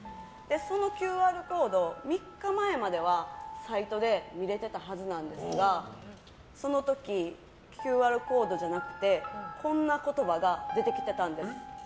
そのＱＲコード、３日前まではサイトで見れてたはずなんですがその時、ＱＲコードじゃなくてこんな言葉が出てきてたんです。